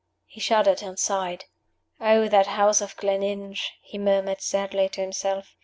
He shuddered and sighed. "Oh, that house of Gleninch!" he murmured, sadly, to himself.